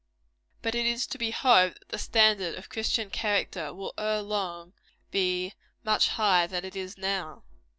But it is to be hoped that the standard of Christian character will ere long be much higher than it is now.